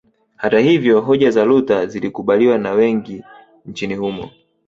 Hata hivyo hoja za Luther zilikubaliwa na wengi nchini humo